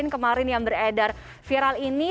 kemarin yang beredar viral ini